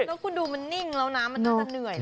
แล้วคุณดูมันนิ่งแล้วนะมันต้องเต้นเหนื่อยแล้วว่ะ